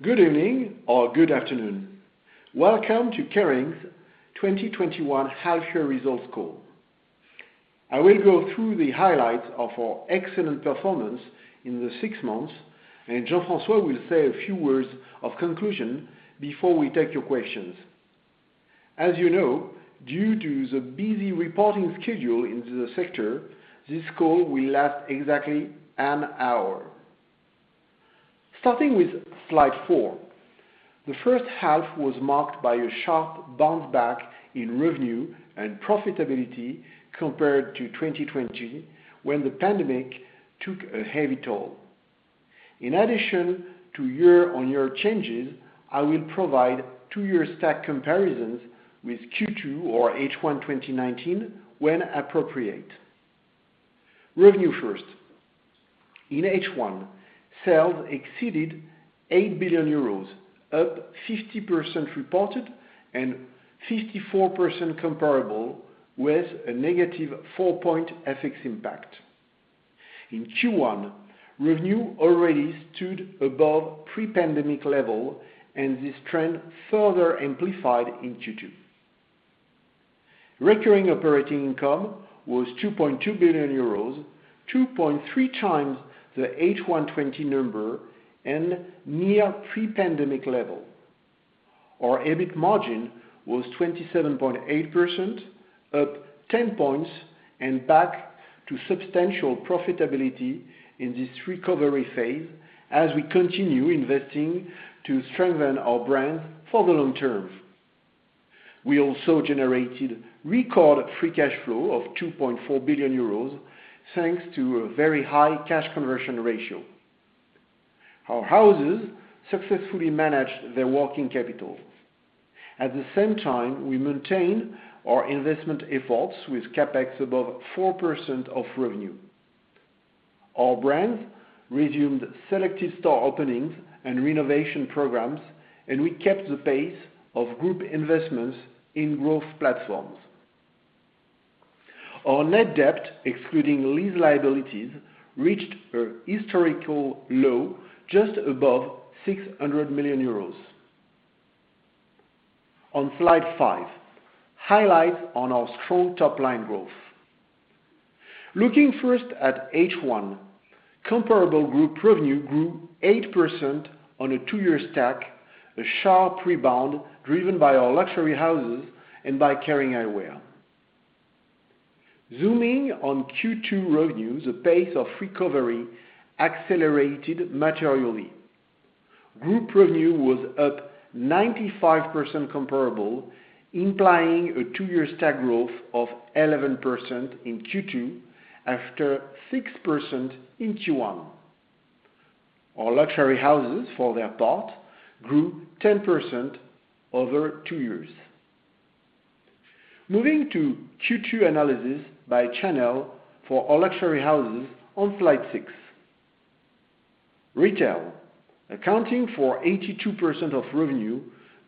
Good evening or good afternoon. Welcome to Kering's 2021 half-year results call. I will go through the highlights of our excellent performance in the six months, and Jean-François will say a few words of conclusion before we take your questions. As you know, due to the busy reporting schedule in the sector, this call will last exactly an hour. Starting with slide four, the first half was marked by a sharp bounce back in revenue and profitability compared to 2020, when the pandemic took a heavy toll. In addition to year-over-year changes, I will provide two-year stack comparisons with Q2 or H1 2019 when appropriate. Revenue first. In H1, sales exceeded 8 billion euros, up 50% reported and 54% comparable with a negative 4-point FX impact. In Q1, revenue already stood above pre-pandemic level, and this trend further amplified in Q2. Recurring operating income was 2.2 billion euros, 2.3 times the H1 2020 number and near pre-pandemic level. Our EBIT margin was 27.8%, up 10 points and back to substantial profitability in this recovery phase as we continue investing to strengthen our brand for the long term. We also generated record free cash flow of 2.4 billion euros thanks to a very high cash conversion ratio. Our houses successfully managed their working capital. At the same time, we maintain our investment efforts with CapEx above 4% of revenue. Our brands resumed selective store openings and renovation programs, and we kept the pace of group investments in growth platforms. Our net debt, excluding lease liabilities, reached a historical low just above 600 million euros. On slide five, highlights on our strong top-line growth. Looking first at H1, comparable group revenue grew 8% on a two-year stack, a sharp rebound driven by our luxury houses and by Kering Eyewear. Zooming on Q2 revenue, the pace of recovery accelerated materially. Group revenue was up 95% comparable, implying a two-year stack growth of 11% in Q2 after 6% in Q1. Our luxury houses, for their part, grew 10% over two years. Moving to Q2 analysis by channel for our luxury houses on slide six. Retail, accounting for 82% of revenue,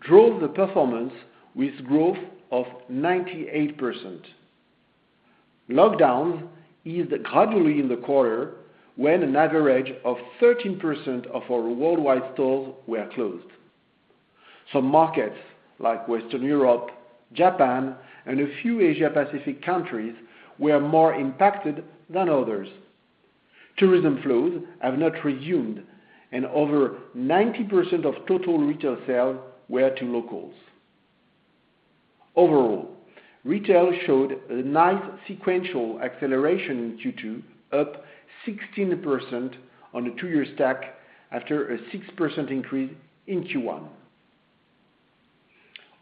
drove the performance with growth of 98%. Lockdowns eased gradually in the quarter when an average of 13% of our worldwide stores were closed. Some markets like Western Europe, Japan, and a few Asia Pacific countries were more impacted than others. Tourism flows have not resumed, over 90% of total retail sales were to locals. Overall, retail showed a nice sequential acceleration in Q2, up 16% on a two-year stack after a 6% increase in Q1.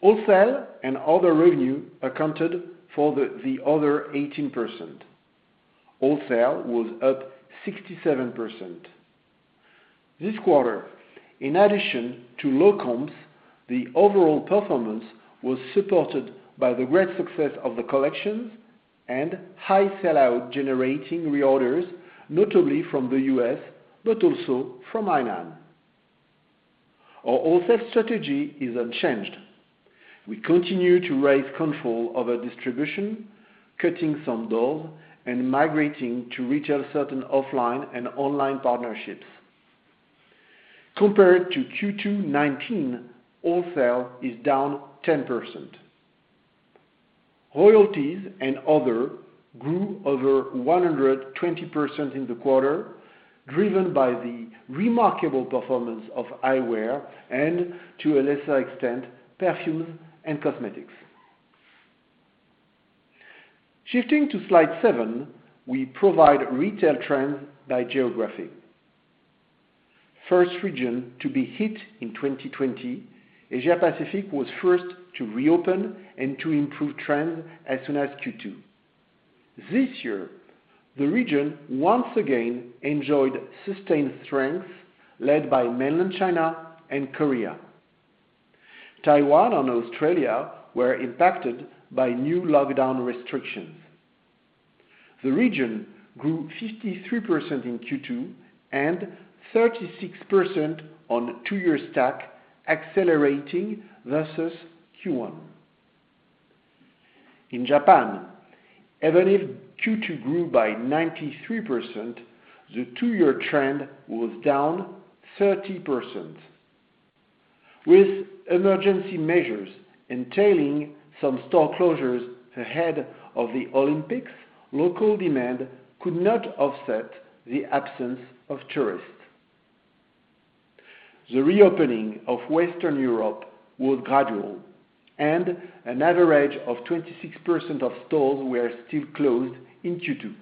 Wholesale and other revenue accounted for the other 18%. Wholesale was up 67%. This quarter, in addition to low comps, the overall performance was supported by the great success of the collections and high sell-out generating reorders, notably from the U.S., but also from LatAm. Our wholesale strategy is unchanged. We continue to raise control over distribution, cutting some doors, and migrating to retail certain offline and online partnerships. Compared to Q2 2019, wholesale is down 10%. Royalties and other grew over 120% in the quarter, driven by the remarkable performance of eyewear and, to a lesser extent, perfumes and cosmetics. Shifting to slide seven, we provide retail trends by geography. First region to be hit in 2020, Asia Pacific was first to reopen and to improve trends as soon as Q2. This year, the region once again enjoyed sustained strength led by Mainland China and Korea. Taiwan and Australia were impacted by new lockdown restrictions. The region grew 53% in Q2 and 36% on two-year stack, accelerating versus Q1. In Japan, even if Q2 grew by 93%, the two-year trend was down 30%. With emergency measures entailing some store closures ahead of the Olympics, local demand could not offset the absence of tourists. The reopening of Western Europe was gradual, an average of 26% of stores were still closed in Q2.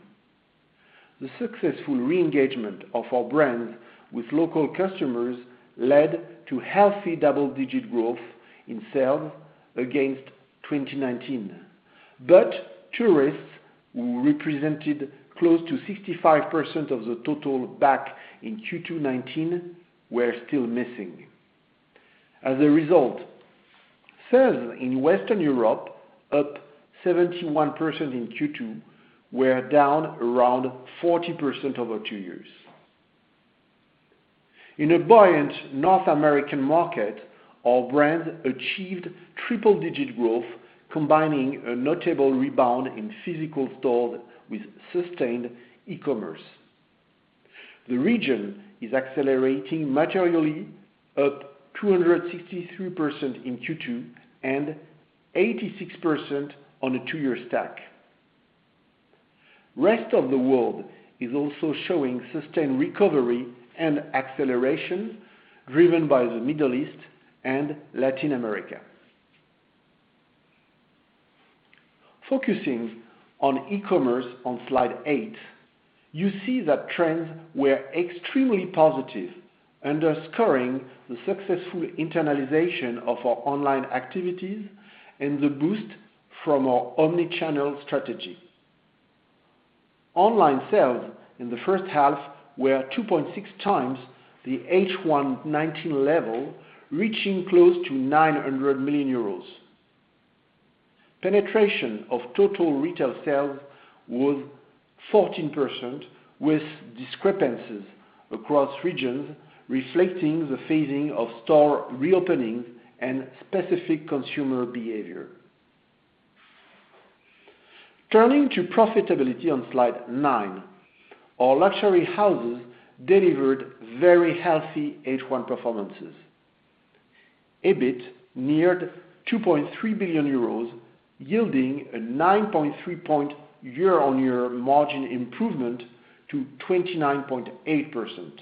The successful re-engagement of our brands with local customers led to healthy double-digit growth in sales against 2019. Tourists, who represented close to 65% of the total back in Q2 2019, were still missing. As a result, sales in Western Europe up 71% in Q2, were down around 40% over two years. In a buoyant North American market, our brands achieved triple-digit growth, combining a notable rebound in physical stores with sustained e-commerce. The region is accelerating materially, up 263% in Q2, and 86% on a two-year stack. Rest of the world is also showing sustained recovery and acceleration, driven by the Middle East and Latin America. Focusing on e-commerce on slide eight, you see that trends were extremely positive, underscoring the successful internalization of our online activities and the boost from our omni-channel strategy. Online sales in the first half were 2.6 times the H1 2019 level, reaching close to 900 million euros. Penetration of total retail sales was 14%, with discrepancies across regions, reflecting the phasing of store reopenings and specific consumer behavior. Turning to profitability on slide 9, our luxury houses delivered very healthy H1 performances. EBIT neared 2.3 billion euros, yielding a 9.3-point year-on-year margin improvement to 29.8%.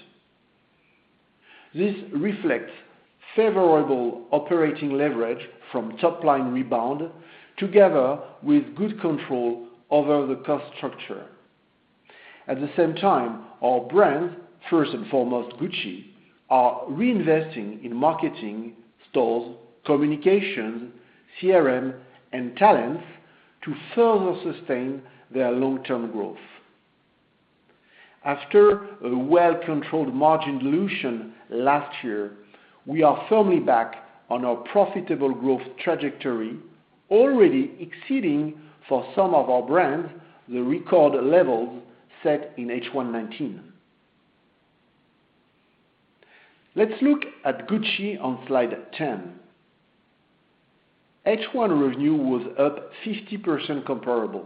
This reflects favorable operating leverage from top-line rebound, together with good control over the cost structure. At the same time, our brands, first and foremost Gucci, are reinvesting in marketing, stores, communication, CRM, and talents to further sustain their long-term growth. After a well-controlled margin dilution last year, we are firmly back on our profitable growth trajectory, already exceeding for some of our brands the record levels set in H1 2019. Let's look at Gucci on slide 10. H1 revenue was up 50% comparable.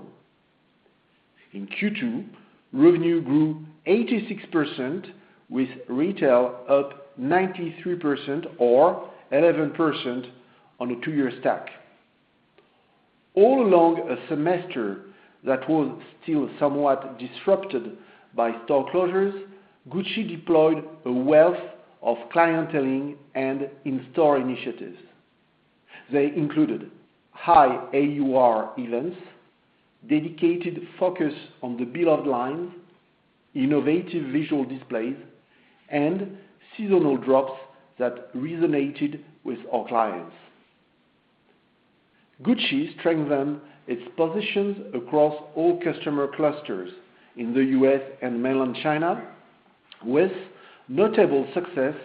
In Q2, revenue grew 86%, with retail up 93%, or 11% on a two-year stack. All along a semester that was still somewhat disrupted by store closures, Gucci deployed a wealth of clienteling and in-store initiatives. They included high AUR events, dedicated focus on the Beloved Lines, innovative visual displays, and seasonal drops that resonated with our clients. Gucci strengthened its positions across all customer clusters in the U.S. and mainland China, with notable success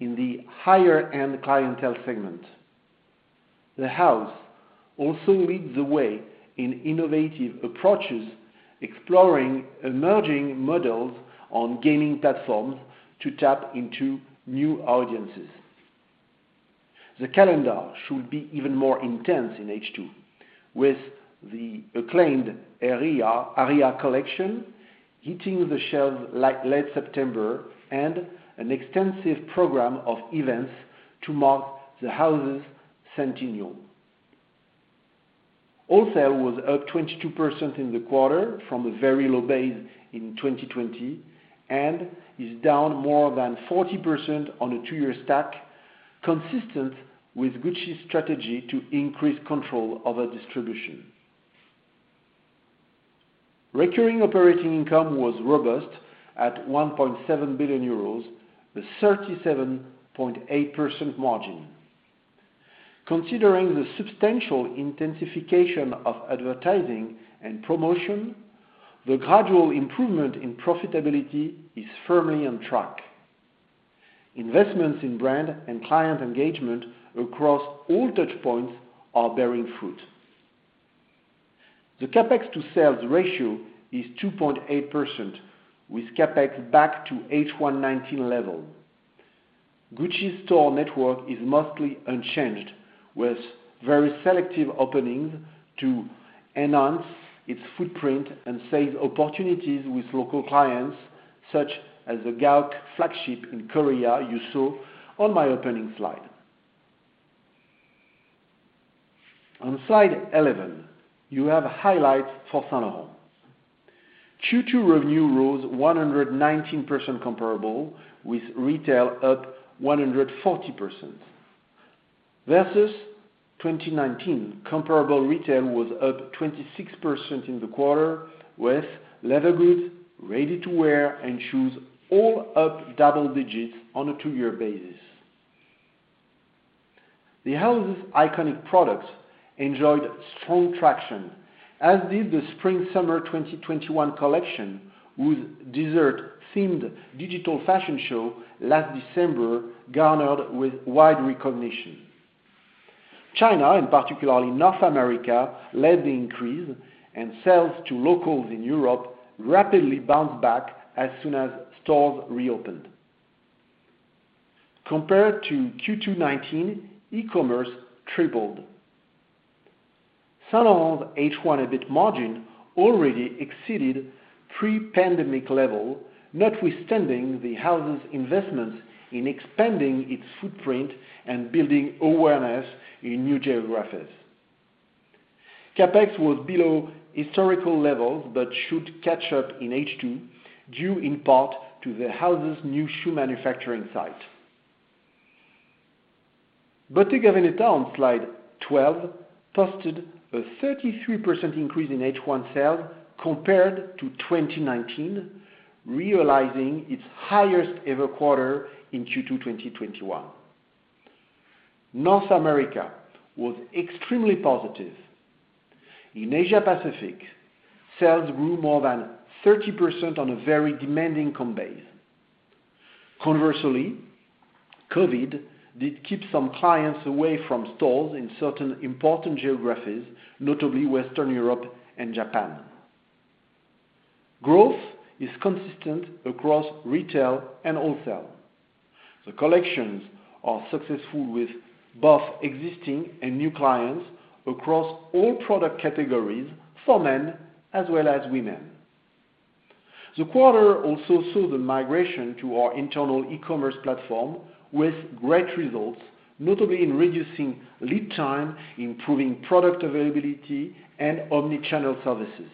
in the higher-end clientele segment. The house also leads the way in innovative approaches, exploring emerging models on gaming platforms to tap into new audiences. The calendar should be even more intense in H2, with the acclaimed Aria collection hitting the shelves late September, and an extensive program of events to mark the house's centennial. Wholesale was up 22% in the quarter from a very low base in 2020, and is down more than 40% on a two-year stack, consistent with Gucci's strategy to increase control over distribution. Recurring operating income was robust at 1.7 billion euros, a 37.8% margin. Considering the substantial intensification of advertising and promotion, the gradual improvement in profitability is firmly on track. Investments in brand and client engagement across all touchpoints are bearing fruit. The CapEx to sales ratio is 2.8%, with CapEx back to H1 2019 level. Gucci's store network is mostly unchanged, with very selective openings to enhance its footprint and seize opportunities with local clients, such as the Gaok flagship in Korea you saw on my opening slide. On slide 11, you have highlights for Saint Laurent. Q2 revenue rose 119% comparable, with retail up 140%. Versus 2019, comparable retail was up 26% in the quarter, with leather goods, ready-to-wear, and shoes all up double digits on a two-year basis. The house's iconic products enjoyed strong traction, as did the spring-summer 2021 collection, whose desert-themed digital fashion show last December garnered wide recognition. China, particularly North America, led the increase, and sales to locals in Europe rapidly bounced back as soon as stores reopened. Compared to Q2 2019, e-commerce tripled. Saint Laurent's H1 EBIT margin already exceeded pre-pandemic level, notwithstanding the house's investments in expanding its footprint and building awareness in new geographies. CapEx was below historical levels but should catch up in H2, due in part to the house's new shoe manufacturing site. Bottega Veneta on slide 12 posted a 33% increase in H1 sales compared to 2019, realizing its highest-ever quarter in Q2 2021. North America was extremely positive. In Asia-Pacific, sales grew more than 30% on a very demanding comp base. Conversely, COVID did keep some clients away from stores in certain important geographies, notably Western Europe and Japan. Growth is consistent across retail and wholesale. The collections are successful with both existing and new clients across all product categories for men as well as women. The quarter also saw the migration to our internal e-commerce platform, with great results, notably in reducing lead time, improving product availability, and omni-channel services.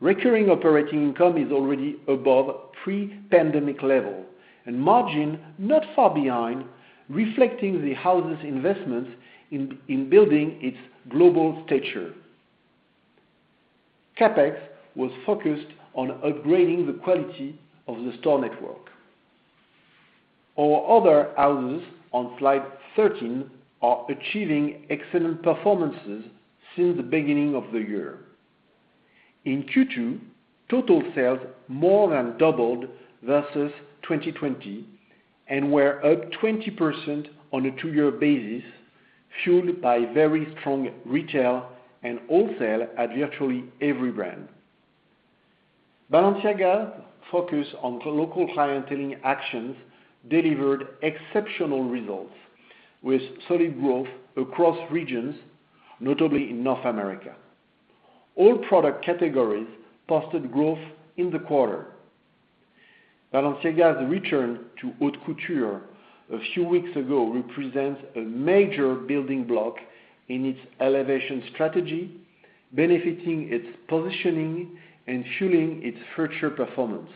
Recurring operating income is already above pre-pandemic level, and margin not far behind, reflecting the house's investments in building its global stature. CapEx was focused on upgrading the quality of the store network. Our other houses on Slide 13 are achieving excellent performances since the beginning of the year. In Q2, total sales more than doubled versus 2020 and were up 20% on a two-year basis, fueled by very strong retail and wholesale at virtually every brand. Balenciaga focus on local clienteling actions delivered exceptional results with solid growth across regions, notably in North America. All product categories posted growth in the quarter. Balenciaga's return to haute couture a few weeks ago represents a major building block in its elevation strategy, benefiting its positioning and fueling its future performance.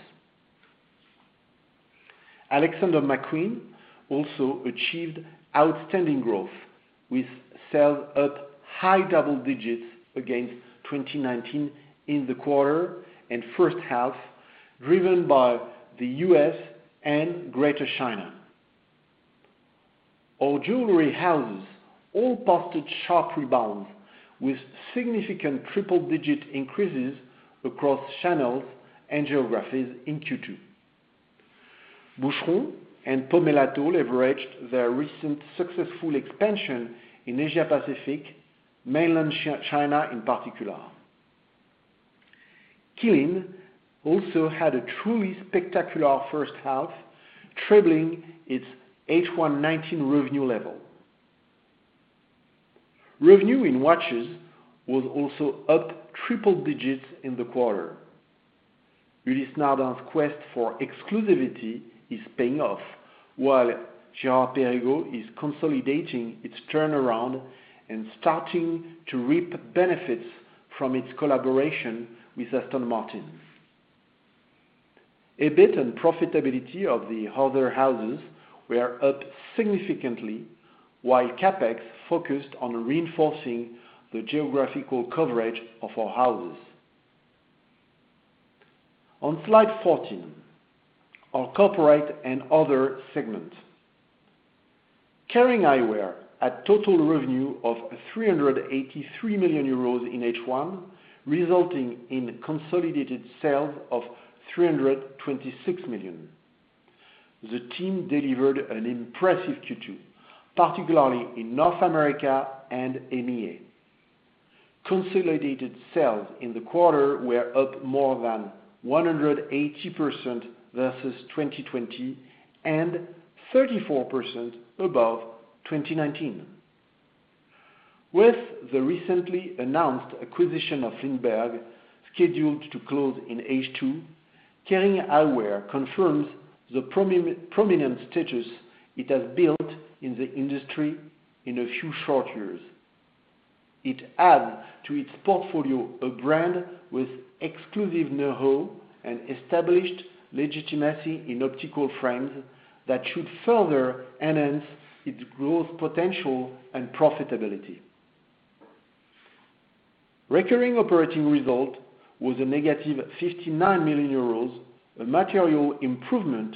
Alexander McQueen also achieved outstanding growth, with sales up high double digits against 2019 in the quarter and first half, driven by the U.S. and Greater China. Our jewelry houses all posted sharp rebounds, with significant triple-digit increases across channels and geographies in Q2. Boucheron and Pomellato leveraged their recent successful expansion in Asia-Pacific, mainland China in particular. Qeelin also had a truly spectacular first half, trebling its H1 2019 revenue level. Revenue in watches was also up triple digits in the quarter. Ulysse Nardin's quest for exclusivity is paying off, while Girard-Perregaux is consolidating its turnaround and starting to reap benefits from its collaboration with Aston Martin. EBIT and profitability of the other houses were up significantly, while CapEx focused on reinforcing the geographical coverage of our houses. On slide 14, our corporate and other segment. Kering Eyewear had total revenue of 383 million euros in H1, resulting in consolidated sales of 326 million. The team delivered an impressive Q2, particularly in North America and EMEA. Consolidated sales in the quarter were up more than 180% versus 2020 and 34% above 2019. With the recently announced acquisition of LINDBERG, scheduled to close in H2, Kering Eyewear confirms the prominent status it has built in the industry in a few short years. It adds to its portfolio a brand with exclusive know-how and established legitimacy in optical frames that should further enhance its growth potential and profitability. Recurring operating result was a negative 59 million euros, a material improvement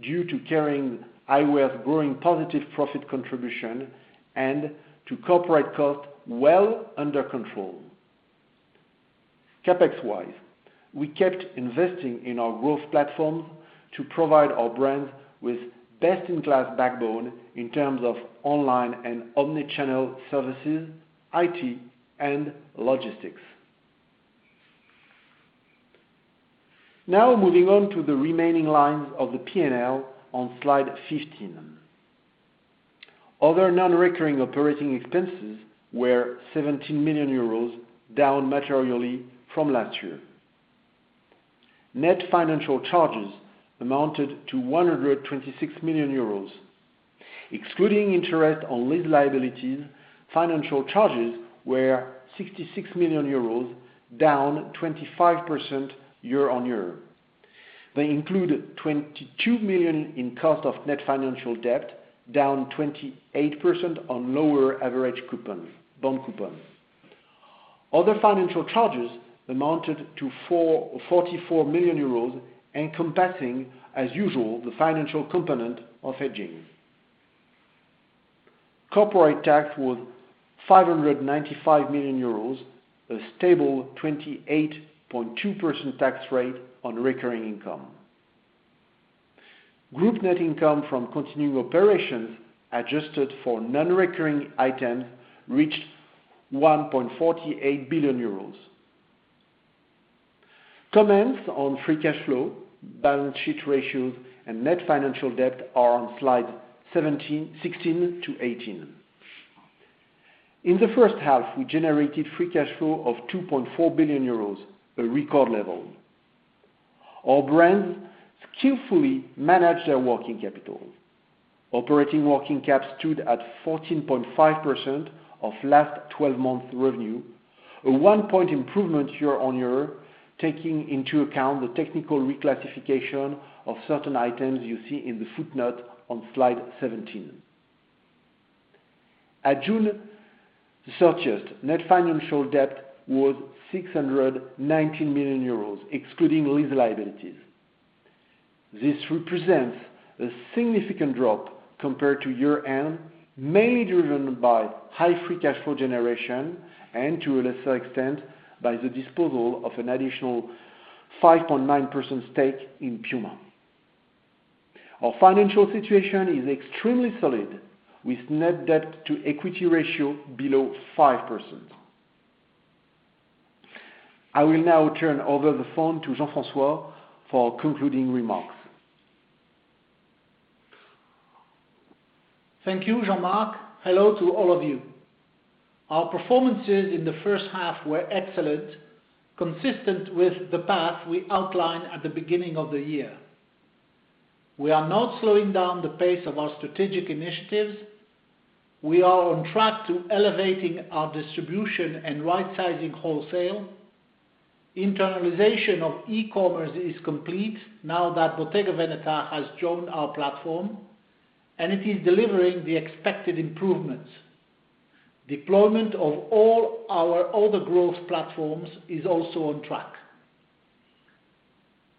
due to Kering Eyewear's growing positive profit contribution and to corporate costs well under control. CapEx-wise, we kept investing in our growth platforms to provide our brands with best-in-class backbone in terms of online and omni-channel services, IT, and logistics. Moving on to the remaining lines of the P&L on slide 15. Other non-recurring operating expenses were 17 million euros, down materially from last year. Net financial charges amounted to 126 million euros. Excluding interest on lease liabilities, financial charges were 66 million euros, down 25% year-on-year. They include 22 million in cost of net financial debt, down 28% on lower average bond coupons. Other financial charges amounted to 44 million euros, encompassing, as usual, the financial component of hedging. Corporate tax was 595 million euros, a stable 28.2% tax rate on recurring income. Group net income from continuing operations adjusted for non-recurring items reached EUR 1.48 billion. Comments on free cash flow, balance sheet ratios, and net financial debt are on slide 16-18. In the first half, we generated free cash flow of 2.4 billion euros, a record level. Our brands skillfully manage their working capital. Operating working cap stood at 14.5% of last 12 months revenue, a one-point improvement year-on-year, taking into account the technical reclassification of certain items you see in the footnote on slide 17. At June 30th, net financial debt was 619 million euros, excluding lease liabilities. This represents a significant drop compared to year-end, mainly driven by high free cash flow generation and to a lesser extent, by the disposal of an additional 5.9% stake in PUMA. Our financial situation is extremely solid, with net debt to equity ratio below 5%. I will now turn over the phone to Jean-François for concluding remarks. Thank you, Jean-Marc. Hello to all of you. Our performances in the first half were excellent, consistent with the path we outlined at the beginning of the year. We are not slowing down the pace of our strategic initiatives. We are on track to elevating our distribution and rightsizing wholesale. Internalization of e-commerce is complete now that Bottega Veneta has joined our platform, and it is delivering the expected improvements. Deployment of all our other growth platforms is also on track.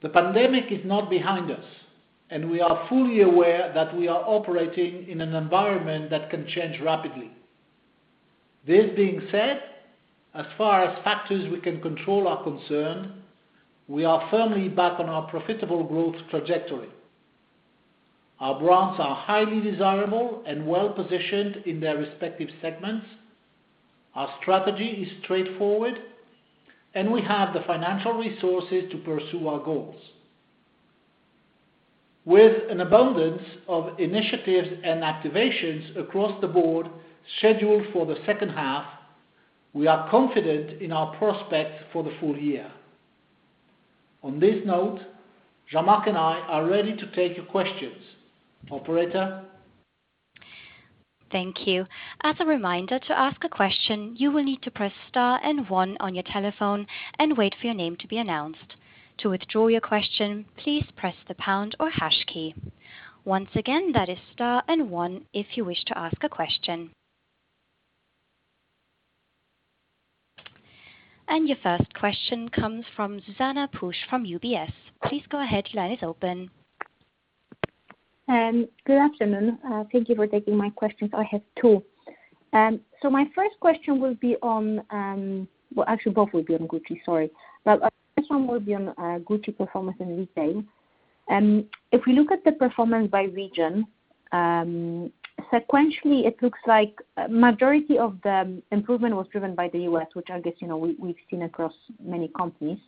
The pandemic is not behind us, and we are fully aware that we are operating in an environment that can change rapidly. This being said, as far as factors we can control are concerned, we are firmly back on our profitable growth trajectory. Our brands are highly desirable and well-positioned in their respective segments. Our strategy is straightforward, and we have the financial resources to pursue our goals. With an abundance of initiatives and activations across the board scheduled for the second half, we are confident in our prospects for the full year. On this note, Jean-Marc and I are ready to take your questions. Operator? Thank you. As a reminder, to ask a question, you will need to press star and one on your telephone and wait for your name to be announced. To withdraw your question, please press the pound or hash key. Once again, that is star and one if you wish to ask a question. Your first question comes from Zuzanna Pusz from UBS. Please go ahead. Your line is open. Good afternoon. Thank you for taking my questions. I have two. My first question will be on, Well, actually, both will be on Gucci. Sorry. First one will be on Gucci performance in retail. If we look at the performance by region, sequentially, it looks like majority of the improvement was driven by the U.S., which I guess we've seen across many companies.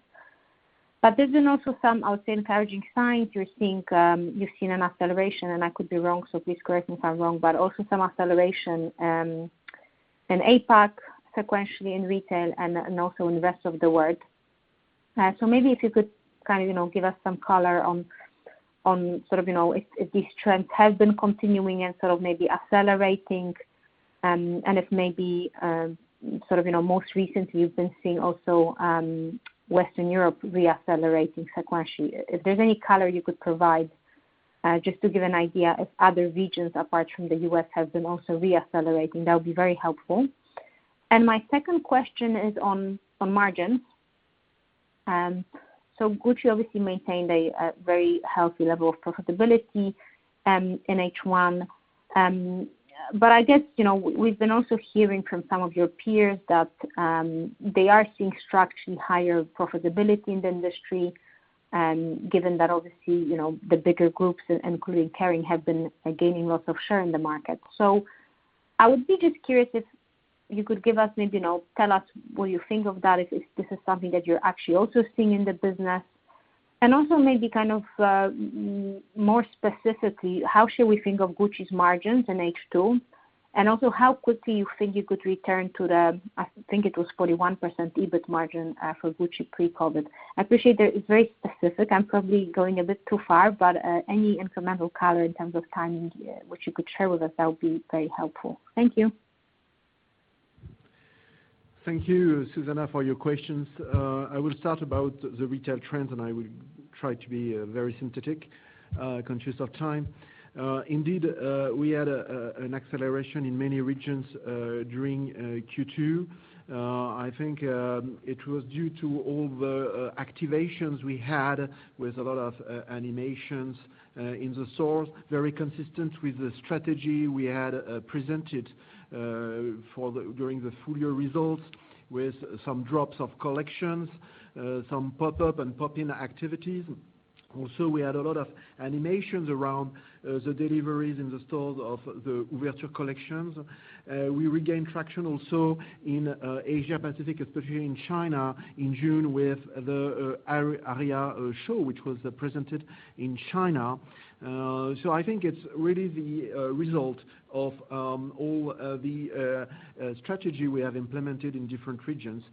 There's been also some, I would say, encouraging signs. You've seen an acceleration, and I could be wrong, so please correct me if I'm wrong, but also some acceleration in APAC, sequentially in retail, and also in the rest of the world. Maybe if you could give us some color on if this trend has been continuing and maybe accelerating, and if maybe, most recently, you've been seeing also Western Europe re-accelerating sequentially. If there's any color you could provide, just to give an idea if other regions apart from the U.S. have been also re-accelerating, that would be very helpful. My second question is on margin. Gucci obviously maintained a very healthy level of profitability in H1. I guess, we've been also hearing from some of your peers that they are seeing structurally higher profitability in the industry, given that obviously the bigger groups, including Kering, have been gaining lots of share in the market. I would be just curious if you could give us, maybe tell us what you think of that, if this is something that you're actually also seeing in the business. Also maybe more specifically, how should we think of Gucci's margins in H2? Also, how quickly you think you could return to the, I think it was 41% EBIT margin for Gucci pre-COVID. I appreciate that it is very specific. I am probably going a bit too far, but any incremental color in terms of timing, which you could share with us, that would be very helpful. Thank you. Thank you, Zuzanna, for your questions. I will start about the retail trend, and I will try to be very synthetic, conscious of time. We had an acceleration in many regions, during Q2. I think it was due to all the activations we had with a lot of animations in the stores, very consistent with the strategy we had presented during the full-year results, with some drops of collections, some pop-up and pop-in activities. We had a lot of animations around the deliveries in the stores of the Ouverture collections. We regained traction also in Asia Pacific, especially in China, in June with the Aria show, which was presented in China. I think it's really the result of all the strategy we have implemented in different regions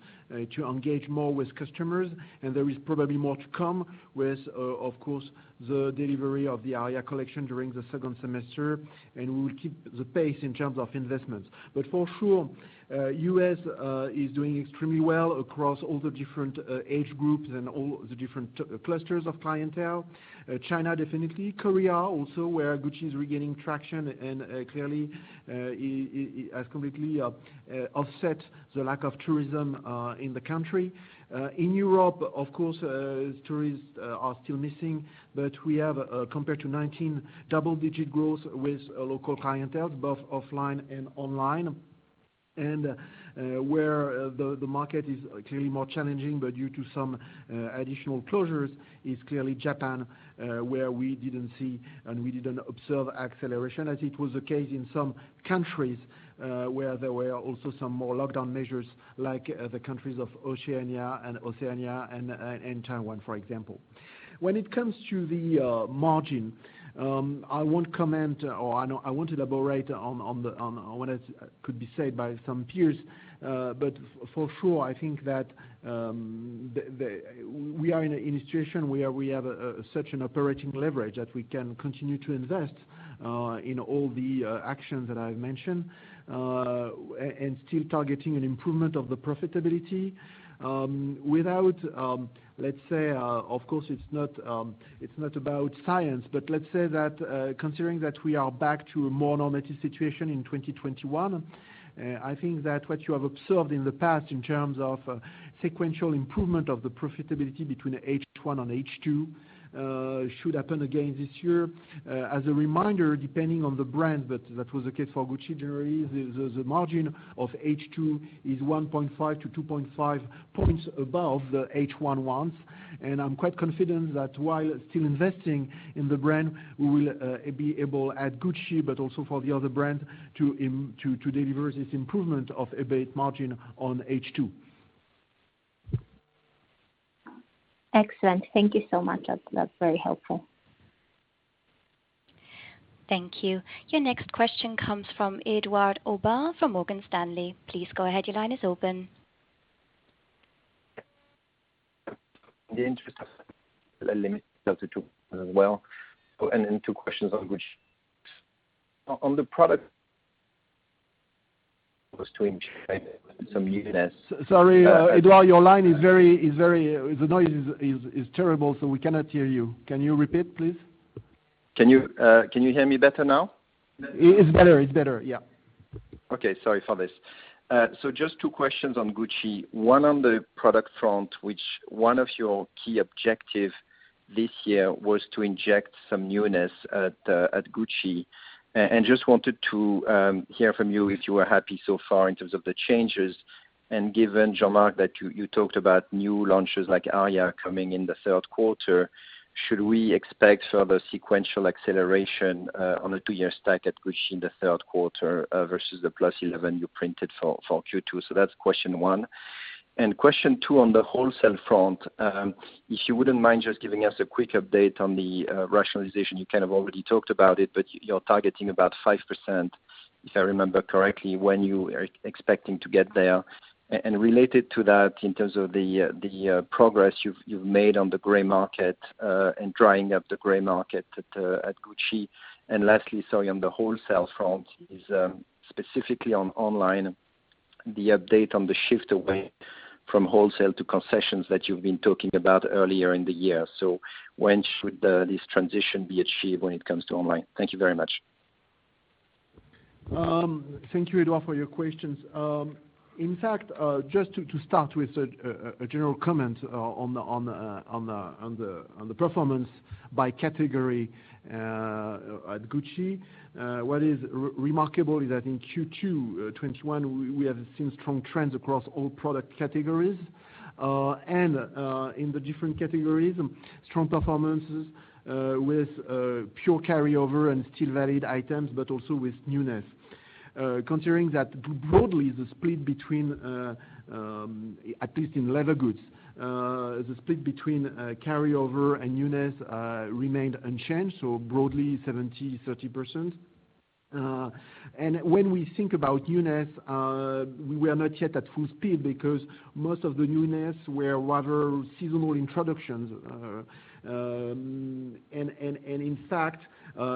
to engage more with customers. There is probably more to come with, of course, the delivery of the Aria collection during the second semester, and we will keep the pace in terms of investments. For sure, U.S. is doing extremely well across all the different age groups and all the different clusters of clientele. China, definitely. Korea also, where Gucci is regaining traction and clearly has completely offset the lack of tourism in the country. In Europe, of course, tourists are still missing, but we have, compared to 2019, double-digit growth with local clientele, both offline and online. Where the market is clearly more challenging, but due to some additional closures, is clearly Japan, where we didn't see and we didn't observe acceleration as it was the case in some countries, where there were also some more lockdown measures, like the countries of Oceania and Taiwan, for example. When it comes to the margin, I won't comment, or I won't elaborate on what could be said by some peers. For sure, I think that we are in a situation where we have such an operating leverage that we can continue to invest in all the actions that I've mentioned, and still targeting an improvement of the profitability. Of course, it's not about science, but let's say that considering that we are back to a more normative situation in 2021, I think that what you have observed in the past in terms of sequential improvement of the profitability between H1 and H2 should happen again this year. As a reminder, depending on the brand, but that was the case for Gucci generally, the margin of H2 is 1.5-2.5 points above the H1 ones. I'm quite confident that while still investing in the brand, we will be able, at Gucci, but also for the other brands, to deliver this improvement of EBIT margin on H2. Excellent. Thank you so much. That's very helpful. Thank you. Your next question comes from Edouard Aubin from Morgan Stanley. Please go ahead. Your line is open. The interest as well, and then two questions. On the product was to ensure some uniqueness. Sorry, Edouard, the noise is terrible. We cannot hear you. Can you repeat, please? Can you hear me better now? It's better. Yeah. Okay, sorry for this. Just two questions on Gucci. One on the product front, which one of your key objectives this year was to inject some newness at Gucci, just wanted to hear from you if you are happy so far in terms of the changes. Given, Jean-Marc, that you talked about new launches like Aria coming in the third quarter, should we expect further sequential acceleration on a two-year stack at Gucci in the third quarter versus the +11 you printed for Q2? That's question one. Question two on the wholesale front, if you wouldn't mind just giving us a quick update on the rationalization, you kind of already talked about it, but you're targeting about 5%, if I remember correctly. When you are expecting to get there? Related to that, in terms of the progress you've made on the gray market, and drying up the gray market at Gucci. Lastly, sorry, on the wholesale front is, specifically on online, the update on the shift away from wholesale to concessions that you've been talking about earlier in the year. When should this transition be achieved when it comes to online? Thank you very much. Thank you, Edouard, for your questions. Just to start with a general comment on the performance by category at Gucci. What is remarkable is that in Q2 2021, we have seen strong trends across all product categories. In the different categories, strong performances with pure carryover and still valid items, but also with newness. Considering that broadly, at least in leather goods, the split between carryover and newness remained unchanged, so broadly 70%/30%. When we think about newness, we are not yet at full speed because most of the newness were rather seasonal introductions.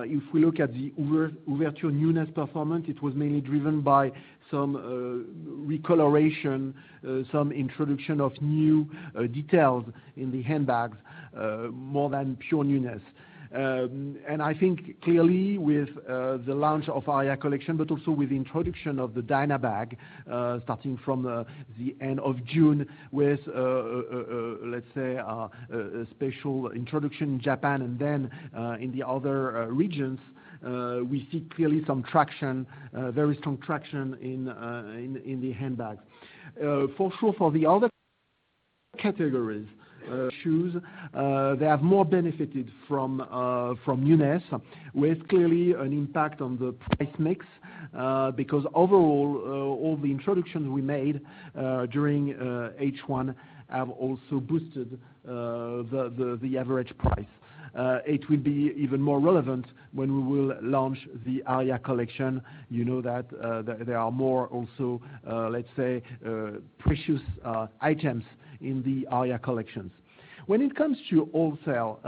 If we look at the Ouverture newness performance, it was mainly driven by some recoloration, some introduction of new details in the handbags, more than pure newness. I think clearly with the launch of Aria collection, but also with the introduction of the Diana bag, starting from the end of June with, let's say, a special introduction in Japan and then in the other regions, we see clearly some traction, very strong traction in the handbag. For sure, for the other categories, shoes, they have more benefited from newness with clearly an impact on the price mix, because overall, all the introductions we made during H1 have also boosted the average price. It will be even more relevant when we will launch the Aria collection. You know that there are more also, let's say, precious items in the Aria collections. When it comes to wholesale,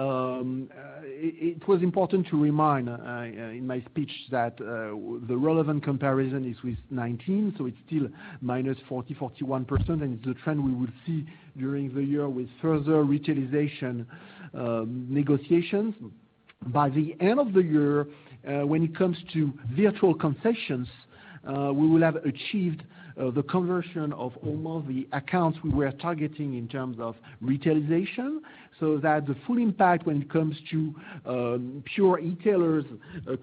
it was important to remind, in my speech that the relevant comparison is with 2019, so it is still minus 40%-41%, and it is the trend we will see during the year with further retailization negotiations. By the end of the year, when it comes to virtual concessions, we will have achieved the conversion of almost the accounts we were targeting in terms of retailization, so that the full impact when it comes to pure e-tailers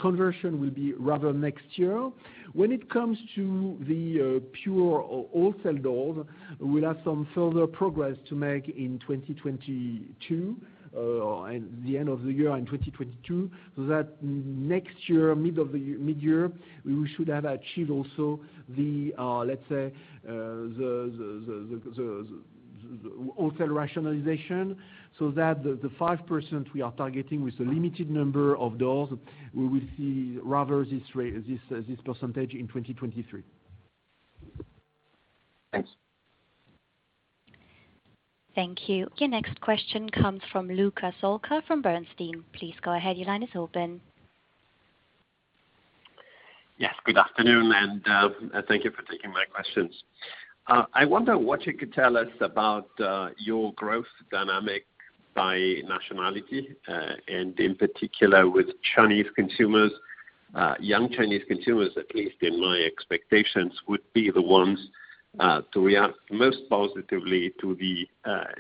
conversion will be rather next year. When it comes to the pure wholesale doors, we will have some further progress to make in 2022, the end of the year in 2022, so that next year, mid-year, we should have achieved also the, let's say, the wholesale rationalization so that the 5% we are targeting with a limited number of doors, we will see rather this percentage in 2023. Thanks. Thank you. Your next question comes from Luca Solca from Bernstein. Please go ahead. Your line is open. Yes, good afternoon, and thank you for taking my questions. I wonder what you could tell us about your growth dynamic by nationality, and in particular with Chinese consumers. Young Chinese consumers, at least in my expectations, would be the ones to react most positively to the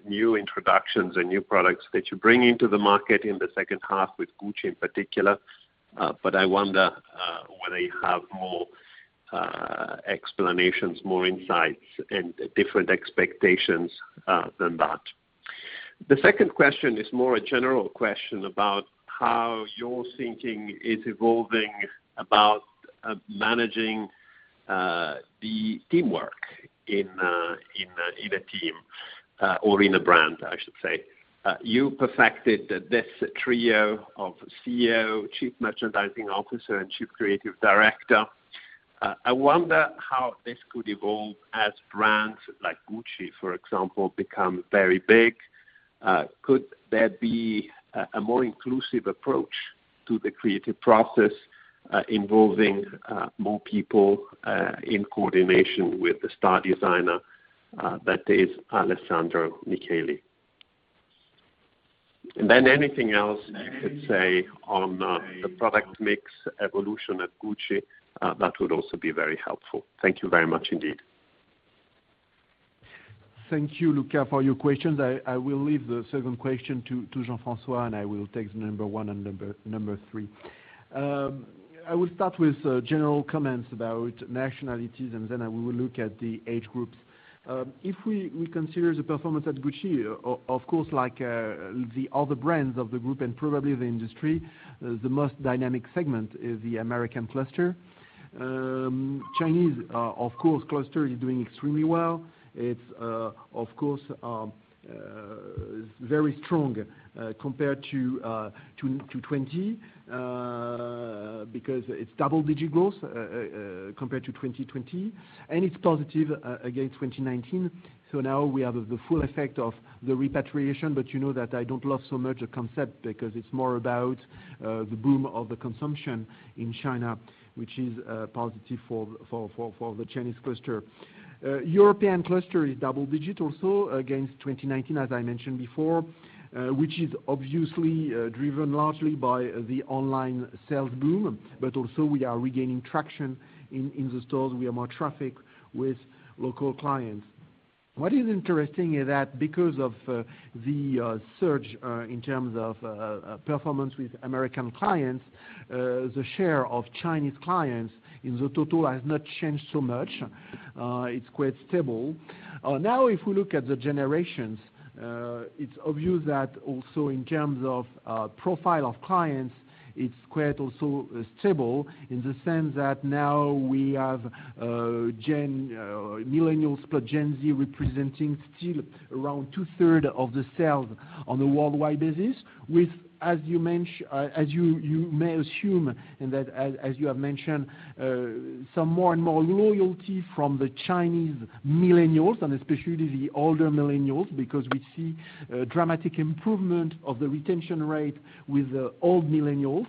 new introductions and new products that you bring into the market in the second half with Gucci in particular. I wonder whether you have more explanations, more insights, and different expectations than that. The second question is more a general question about how your thinking is evolving about managing the teamwork in a team or in a brand, I should say. You perfected this trio of CEO, Chief Merchandising Officer, and Chief Creative Director. I wonder how this could evolve as brands like Gucci, for example, become very big. Could there be a more inclusive approach to the creative process, involving more people in coordination with the star designer that is Alessandro Michele? Anything else you could say on the product mix evolution at Gucci, that would also be very helpful. Thank you very much indeed. Thank you, Luca, for your questions. I will leave the second question to Jean-François. I will take number one and number three. I will start with general comments about nationalities, then I will look at the age groups. If we consider the performance at Gucci, of course, like the other brands of the group and probably the industry, the most dynamic segment is the American cluster. Chinese cluster, of course, is doing extremely well. It's of course, very strong compared to 2020, because it's double-digit growth compared to 2020, and it's positive against 2019. Now we have the full effect of the repatriation, you know that I don't love so much the concept, because it's more about the boom of the consumption in China, which is positive for the Chinese cluster. European cluster is double digit also against 2019, as I mentioned before, which is obviously driven largely by the online sales boom. Also we are regaining traction in the stores. We have more traffic with local clients. What is interesting is that because of the surge in terms of performance with American clients, the share of Chinese clients in the total has not changed so much. It's quite stable. Now, if we look at the generations, it is obvious that also in terms of profile of clients, it is quite also stable in the sense that now we have millennials plus Gen Z representing still around two-third of the sales on a worldwide basis with, as you may assume and as you have mentioned, some more and more loyalty from the Chinese millennials, and especially the older millennials, because we see a dramatic improvement of the retention rate with the old millennials.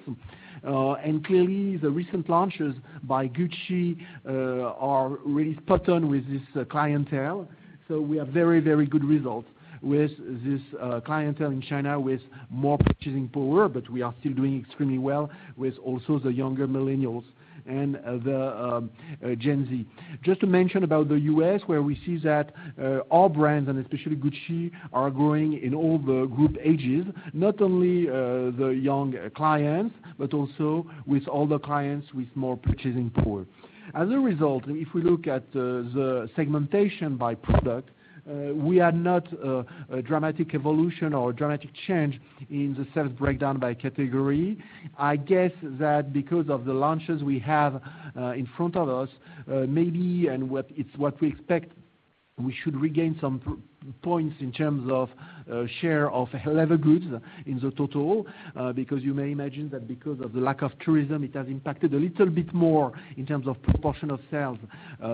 Clearly, the recent launches by Gucci are really spot on with this clientele. We have very good results with this clientele in China with more purchasing power. We are still doing extremely well with also the younger millennials and the Gen Z. Just to mention about the U.S., where we see that all brands, and especially Gucci, are growing in all the group ages, not only the young clients, but also with older clients with more purchasing power. As a result, if we look at the segmentation by product, we are not a dramatic evolution or a dramatic change in the sales breakdown by category. I guess that because of the launches we have in front of us, maybe, and it's what we expect, we should regain some points in terms of share of leather goods in the total. You may imagine that because of the lack of tourism, it has impacted a little bit more in terms of proportion of sales,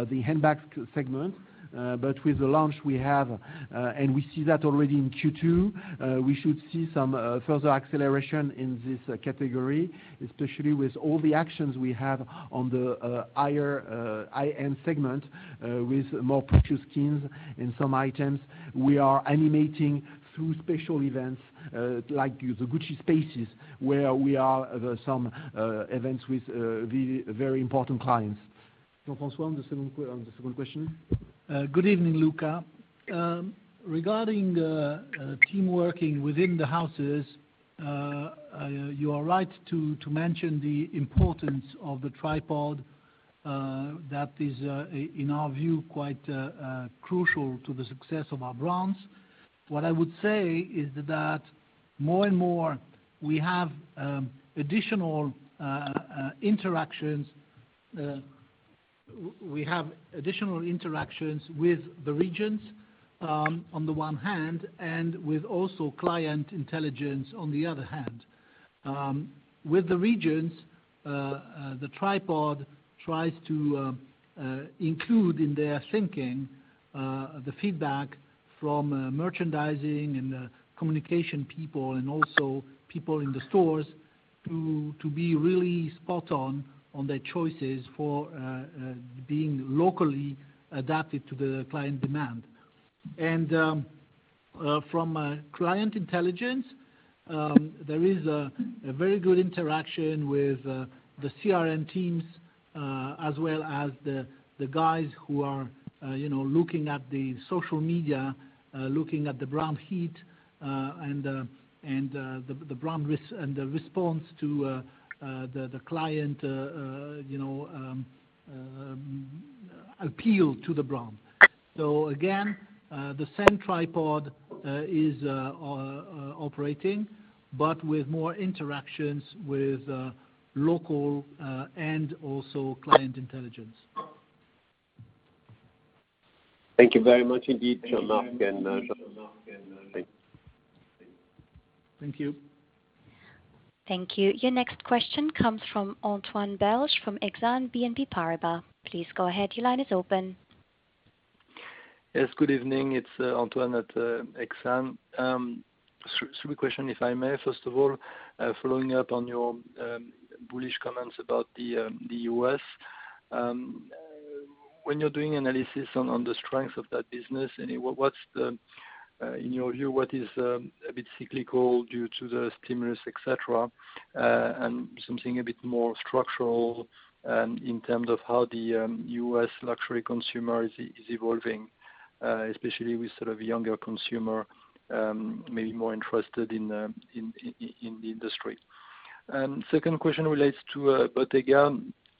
the handbag segment. With the launch we have, and we see that already in Q2, we should see some further acceleration in this category, especially with all the actions we have on the high-end segment with more purchase schemes in some items. We are animating through special events, like the Gucci Spaces, where we have some events with the very important clients. Jean-François, on the second question. Good evening, Luca. Regarding team working within the houses, you are right to mention the importance of the tripod that is, in our view, quite crucial to the success of our brands. What I would say is that more and more, we have additional interactions with the regions on the one hand, and with also client intelligence on the other hand. With the regions, the tripod tries to include in their thinking, the feedback from merchandising and communication people and also people in the stores to be really spot on their choices for being locally adapted to the client demand. From a client intelligence, there is a very good interaction with the CRM teams, as well as the guys who are looking at the social media, looking at the brand heat, and the response to the client appeal to the brand. Again, the same tripod is operating, but with more interactions with local and also client intelligence. Thank you very much indeed, Jean-Marc and Jean-François. Thank you. Thank you. Thank you. Your next question comes from Antoine Belge of Exane BNP Paribas. Please go ahead. Yes, good evening. It's Antoine at Exane. Three questions, if I may. First of all, following up on your bullish comments about the U.S. When you're doing analysis on the strength of that business, in your view, what is a bit cyclical due to the stimulus, et cetera, and something a bit more structural, and in terms of how the U.S. luxury consumer is evolving, especially with sort of younger consumer, maybe more interested in the industry. Second question relates to Bottega.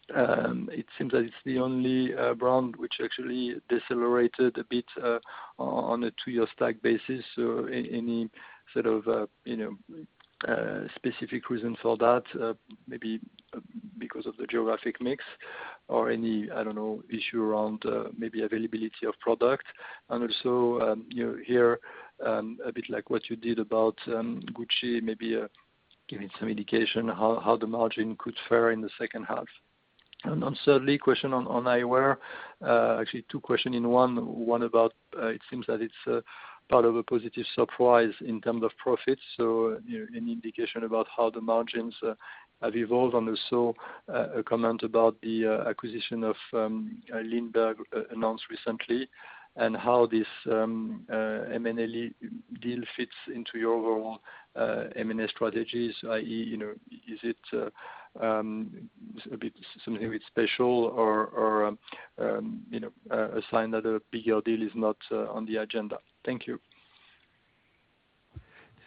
It seems that it's the only brand which actually decelerated a bit, on a two-year stack basis. Any sort of specific reason for that? Maybe because of the geographic mix or any, I don't know, issue around maybe availability of product. Also, you hear a bit like what you did about Gucci, maybe giving some indication how the margin could fare in the second half. Thirdly, question on eyewear. Actually two questions in one. One about, it seems that it's part of a positive surprise in terms of profits, any indication about how the margins have evolved? Also, a comment about the acquisition of LINDBERG announced recently and how this M&A deal fits into your overall M&A strategies, i.e., is it something a bit special or a sign that a bigger deal is not on the agenda? Thank you.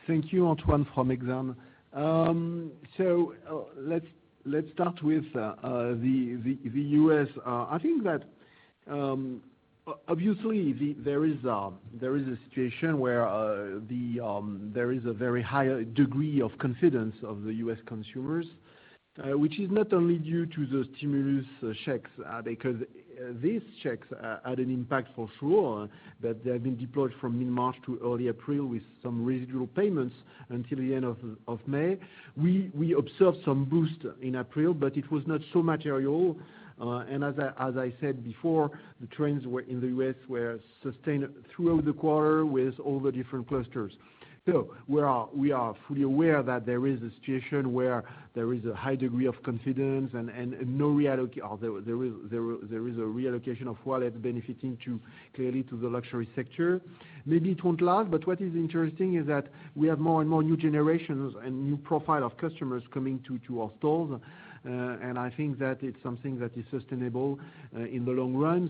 Thank you, Antoine from Exane. Let's start with the U.S. I think that, obviously, there is a situation where there is a very high degree of confidence of the U.S. consumers, which is not only due to the stimulus checks, because these checks had an impact for sure, but they have been deployed from mid-March to early April with some residual payments until the end of May. We observed some boost in April, but it was not so material. As I said before, the trends in the U.S. were sustained throughout the quarter with all the different clusters. We are fully aware that there is a situation where there is a high degree of confidence and there is a reallocation of wallet benefiting clearly to the luxury sector. Maybe it won't last, what is interesting is that we have more and more new generations and new profile of customers coming to our stores. I think that it's something that is sustainable in the long run.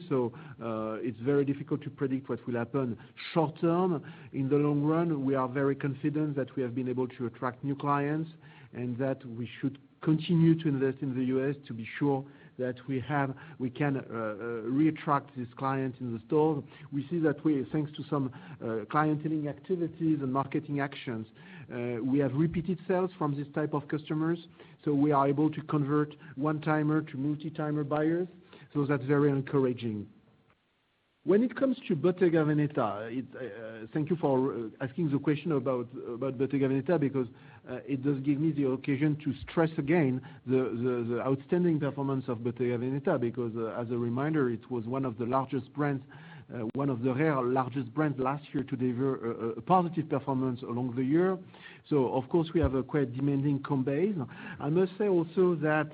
It's very difficult to predict what will happen short-term. In the long run, we are very confident that we have been able to attract new clients, and that we should continue to invest in the U.S. to be sure that we can reattract these clients in the store. We see that way, thanks to some clienteling activities and marketing actions. We have repeated sales from this type of customers, so we are able to convert one-timer to multi-timer buyers. That's very encouraging. When it comes to Bottega Veneta, thank you for asking the question about Bottega Veneta, because it does give me the occasion to stress again the outstanding performance of Bottega Veneta, because, as a reminder, it was one of the rare largest brands last year to deliver a positive performance along the year. Of course, we have a quite demanding comp base. I must say also that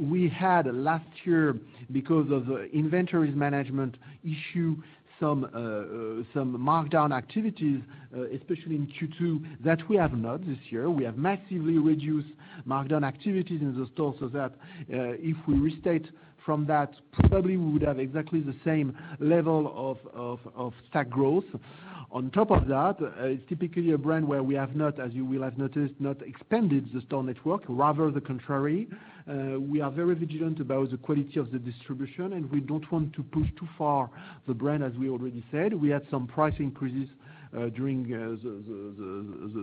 we had last year, because of the inventories management issue, some markdown activities, especially in Q2, that we have not this year. We have massively reduced markdown activities in the store so that, if we restate from that, probably we would have exactly the same level of stack growth. On top of that, it's typically a brand where we have not, as you will have noticed, not expanded the store network, rather the contrary. We are very vigilant about the quality of the distribution, and we don't want to push too far the brand, as we already said. We had some price increases during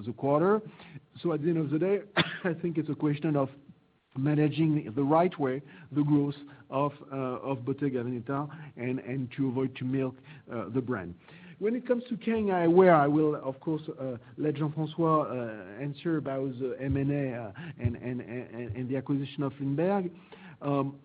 the quarter. At the end of the day, I think it's a question of managing the right way the growth of Bottega Veneta and to avoid to milk the brand. When it comes to Kering Eyewear, I will, of course, let Jean-François answer about the M&A and the acquisition of LINDBERG.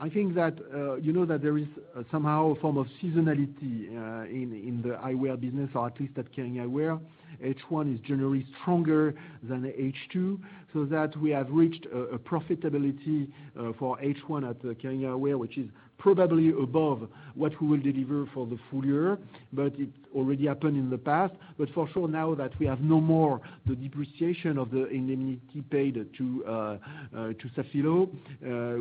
I think that you know that there is somehow a form of seasonality in the eyewear business, or at least at Kering Eyewear. H1 is generally stronger than H2, so that we have reached a profitability for H1 at the Kering Eyewear, which is probably above what we will deliver for the full year, but it already happened in the past. For sure, now that we have no more the depreciation of the indemnity paid to Safilo,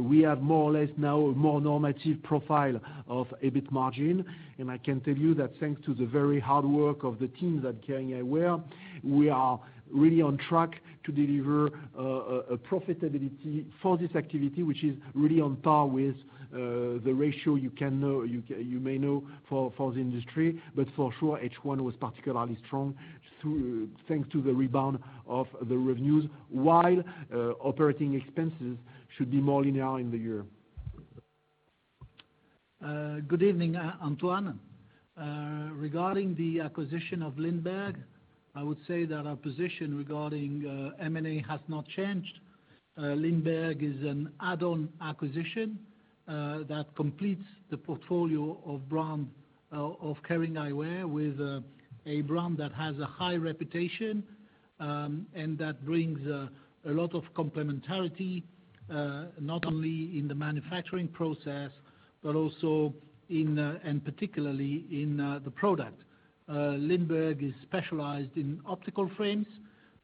we have more or less now a more normative profile of EBIT margin. I can tell you that thanks to the very hard work of the teams at Kering Eyewear, we are really on track to deliver a profitability for this activity, which is really on par with the ratio you may know for the industry. For sure, H1 was particularly strong thanks to the rebound of the revenues, while operating expenses should be more linear in the year. Good evening, Antoine. Regarding the acquisition of LINDBERG, I would say that our position regarding M&A has not changed. LINDBERG is an add-on acquisition that completes the portfolio of brand of Kering Eyewear with a brand that has a high reputation. That brings a lot of complementarity, not only in the manufacturing process, but also, and particularly, in the product. LINDBERG is specialized in optical frames.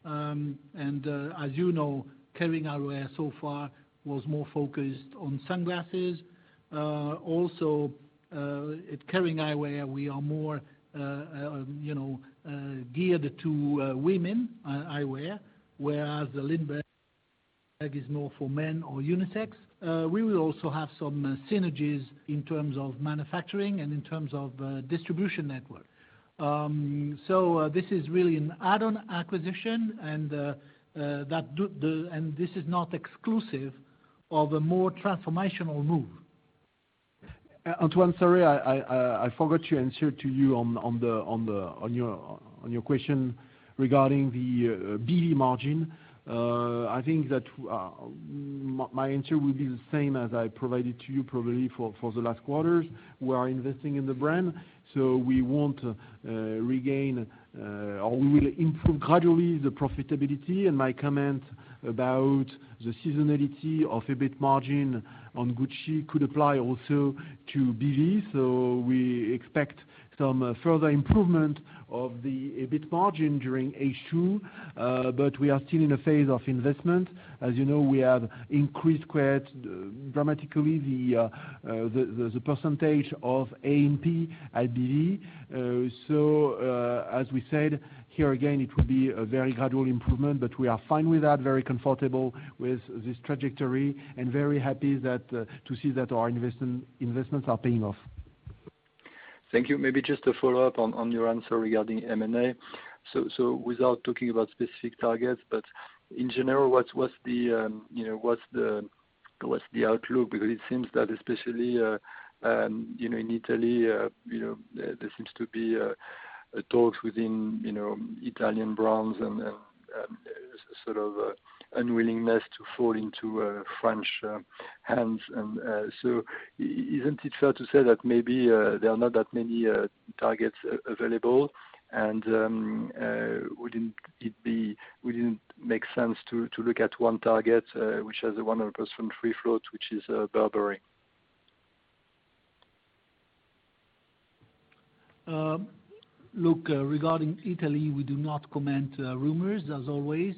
As you know, Kering Eyewear so far was more focused on sunglasses. Also, at Kering Eyewear, we are more geared to women eyewear, whereas the LINDBERG is more for men or unisex. We will also have some synergies in terms of manufacturing and in terms of distribution network. This is really an add-on acquisition and this is not exclusive of a more transformational move. Antoine, sorry, I forgot to answer to you on your question regarding the BV margin. I think that my answer will be the same as I provided to you probably for the last quarters. We are investing in the brand, we want to regain or we will improve gradually the profitability. My comment about the seasonality of EBIT margin on Gucci could apply also to BV. We expect some further improvement of the EBIT margin during H2, but we are still in a phase of investment. As you know, we have increased quite dramatically the percentage of A&P at BV. As we said, here again, it will be a very gradual improvement, but we are fine with that, very comfortable with this trajectory, and very happy to see that our investments are paying off. Thank you. Maybe just a follow-up on your answer regarding M&A. Without talking about specific targets, but in general, what's the outlook? Because it seems that especially, in Italy, there seems to be talks within Italian brands and sort of unwillingness to fall into French hands. Isn't it fair to say that maybe there are not that many targets available? Wouldn't it make sense to look at one target which has a 100% free float, which is Burberry? Look, regarding Italy, we do not comment rumors as always.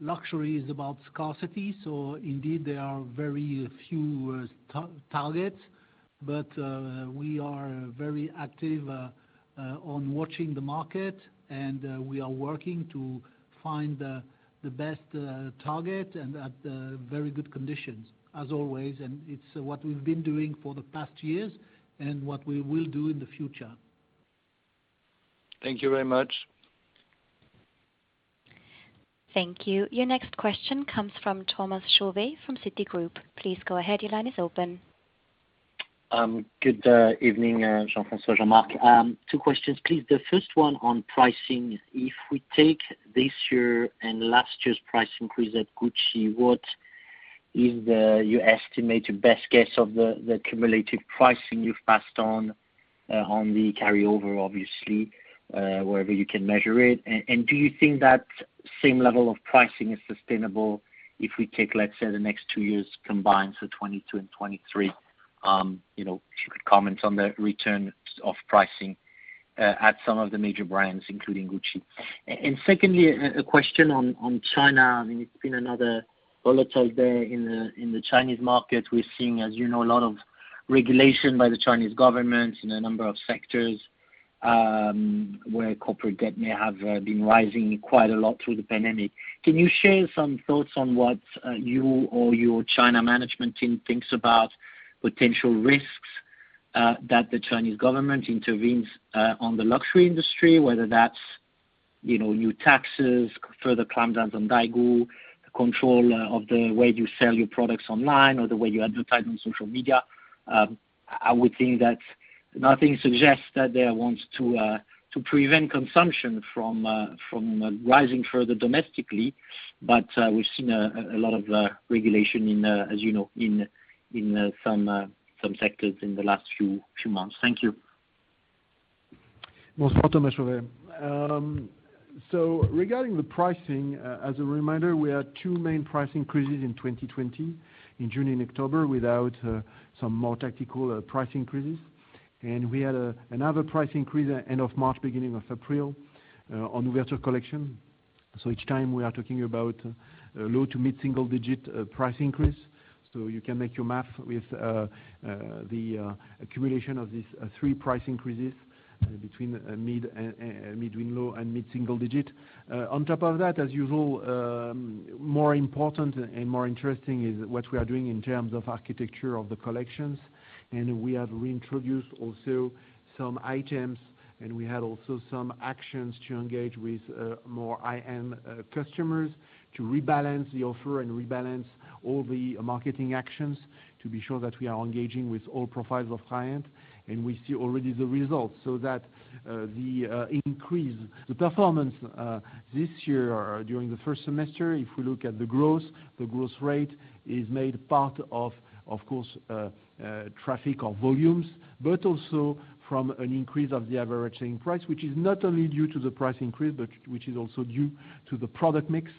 Luxury is about scarcity. Indeed, there are very few targets. We are very active on watching the market, and we are working to find the best target and at very good conditions as always. It's what we've been doing for the past years and what we will do in the future. Thank you very much. Thank you. Your next question comes from Thomas Chauvet from Citigroup. Please go ahead. Your line is open. Good evening, Jean-François, Jean-Marc. Two questions, please. The first one on pricing. If we take this year and last year's price increase at Gucci, what is your estimate, your best guess of the cumulative pricing you've passed on the carryover, obviously, wherever you can measure it? Do you think that same level of pricing is sustainable if we take, let's say, the next two years combined, so 2022 and 2023? If you could comment on the return of pricing at some of the major brands, including Gucci. Secondly, a question on China. It's been another volatile day in the Chinese market. We're seeing, as you know, a lot of regulation by the Chinese government in a number of sectors, where corporate debt may have been rising quite a lot through the pandemic. Can you share some thoughts on what you or your China management team thinks about potential risks that the Chinese government intervenes on the luxury industry, whether that's new taxes, further clampdowns on daigou, control of the way you sell your products online or the way you advertise on social media? I would think that nothing suggests that they want to prevent consumption from rising further domestically. We've seen a lot of regulation, as you know, in some sectors in the last few months. Thank you. Regarding the pricing, as a reminder, we had two main price increases in 2020, in June and October, without some more tactical price increases. We had another price increase end of March, beginning of April, on winter collection. Each time we are talking about low to mid-single digit price increase. You can make your math with the accumulation of these three price increases between mid and low and mid-single digit. On top of that, as usual, more important and more interesting is what we are doing in terms of architecture of the collections. We have reintroduced also some items, and we had also some actions to engage with more high-end customers to rebalance the offer and rebalance all the marketing actions to be sure that we are engaging with all profiles of client. We see already the results, so that the increase, the performance, this year during the first semester, if we look at the growth, the growth rate is made part of course, traffic or volumes, but also from an increase of the average selling price, which is not only due to the price increase, but which is also due to the product mix,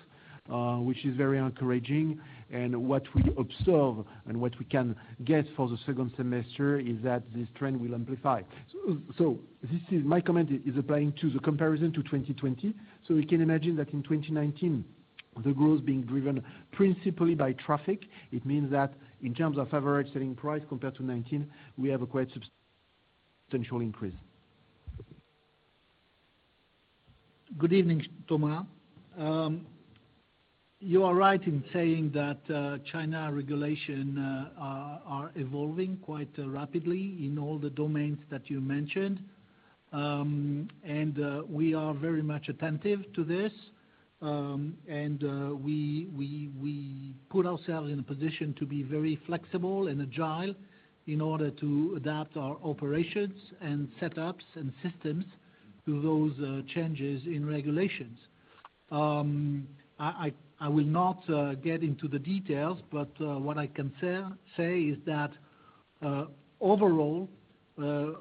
which is very encouraging. What we observe and what we can get for the second semester is that this trend will amplify. My comment is applying to the comparison to 2020. You can imagine that in 2019, the growth being driven principally by traffic. It means that in terms of average selling price compared to 2019, we have a quite substantial increase. Good evening, Thomas. You are right in saying that China regulations are evolving quite rapidly in all the domains that you mentioned. We are very much attentive to this. We put ourselves in a position to be very flexible and agile in order to adapt our operations and setups and systems to those changes in regulations. I will not get into the details, but what I can say is that, overall,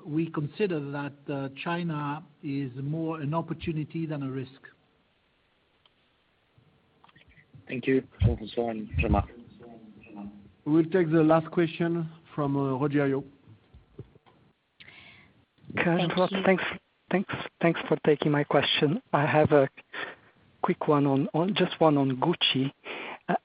we consider that China is more an opportunity than a risk. Thank you. We'll take the last question from Rogerio. Thanks for taking my question. I have a quick one, just one on Gucci.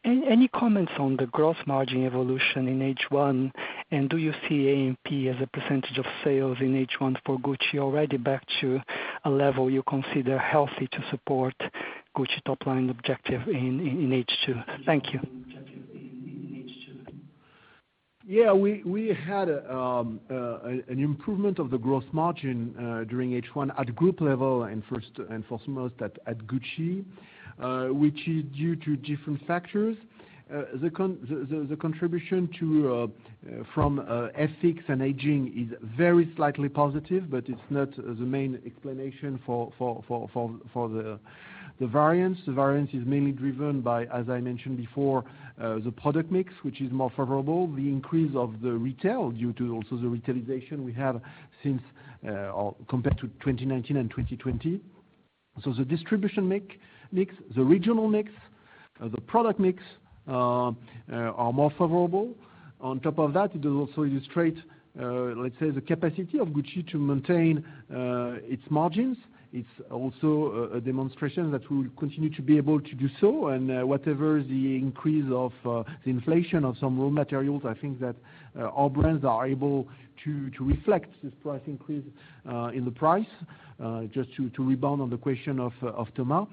Any comments on the gross margin evolution in H1, and do you see A&P as a percentage of sales in H1 for Gucci already back to a level you consider healthy to support Gucci top line objective in H2? Thank you. We had an improvement of the gross margin during H1 at group level and first and foremost at Gucci, which is due to different factors. The contribution from FX and hedging is very slightly positive, it's not the main explanation for the variance. The variance is mainly driven by, as I mentioned before, the product mix, which is more favorable, the increase of the retail due to also the retailization we have compared to 2019 and 2020. The distribution mix, the regional mix, the product mix, are more favorable. On top of that, it also illustrates, let's say, the capacity of Gucci to maintain its margins. It's also a demonstration that we'll continue to be able to do so. Whatever the increase of the inflation of some raw materials, I think that our brands are able to reflect this price increase in the price, just to rebound on the question of Thomas.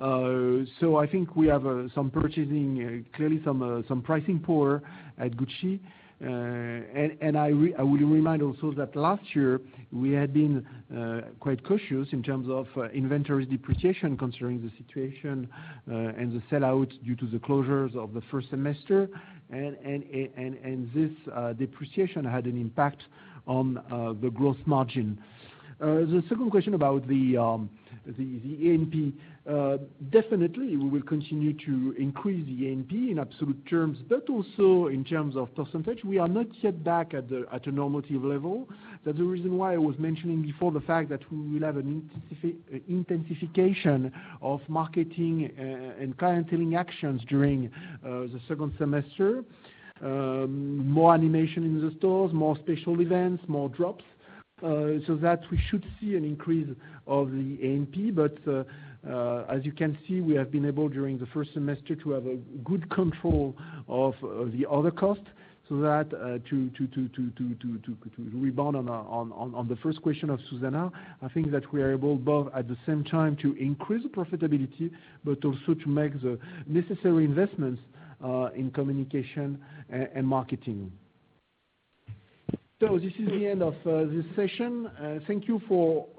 I think we have some purchasing, clearly some pricing power at Gucci. I will remind also that last year we had been quite cautious in terms of inventory depreciation considering the situation, and the sell-out due to the closures of the first semester, and this depreciation had an impact on the gross margin. The second question about the A&P. Definitely, we will continue to increase the A&P in absolute terms, but also in terms of percentage. We are not yet back at a normative level. That's the reason why I was mentioning before the fact that we will have an intensification of marketing and clienteling actions during the second semester. More animation in the stores, more special events, more drops. We should see an increase of the A&P. As you can see, we have been able during the first semester to have a good control of the other costs, so that to rebound on the first question of Zuzanna, I think that we are able both at the same time to increase profitability, but also to make the necessary investments in communication and marketing. This is the end of this session. Thank you all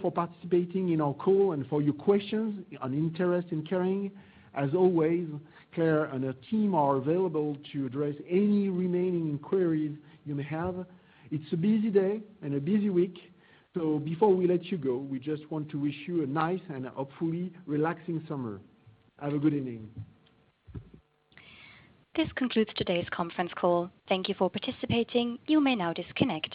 for participating in our call and for your questions and interest in Kering. As always, Claire and her team are available to address any remaining inquiries you may have. It's a busy day and a busy week, so before we let you go, we just want to wish you a nice and hopefully relaxing summer. Have a good evening. This concludes today's conference call. Thank you for participating. You may now disconnect.